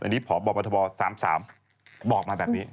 อันนี้พบทบ๓๓บอกมาแบบนี้